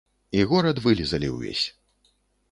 І горад вылізалі ўвесь.